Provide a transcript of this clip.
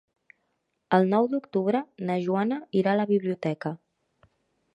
El nou d'octubre na Joana irà a la biblioteca.